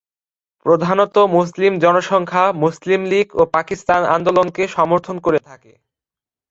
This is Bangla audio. প্রধানত মুসলিম জনসংখ্যা মুসলিম লীগ ও পাকিস্তান আন্দোলনকে সমর্থন করে থাকে।